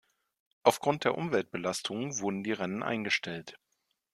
Aufgrund der Umweltbelastungen wurden die Rennen eingestellt.